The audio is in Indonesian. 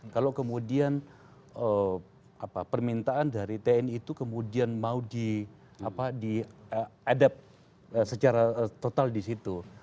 kalau kemudian permintaan dari tni itu kemudian mau diadapt secara total disitu